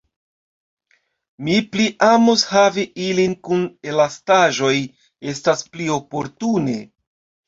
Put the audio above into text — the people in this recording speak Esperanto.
Mi pli amus havi ilin kun elastaĵoj, estas pli oportune.